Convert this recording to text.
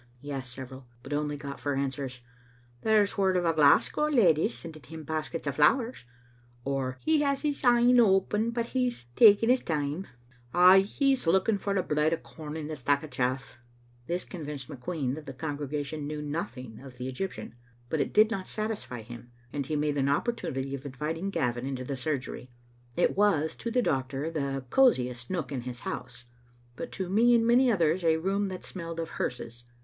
he asked several, but only got for answers, " There's word o* a Glasgow leddy's sending him baskets o' flowers," or " He has his een open, but he's taking his time; ay, he's looking for the blade o' com in the stack o' chaflE. " This convinced McQueen that the congregation knew nothing of the Egyptian, but it did not satisfy him, and he made an opportunity of inviting Gavin into the surgery. It was, to the doctor, the cosiest nook in his house, but to me and many others a room that smelled of hearses.